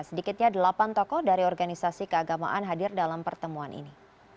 sedikitnya delapan tokoh dari organisasi keagamaan hadir dalam pertemuan ini